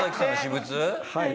はい。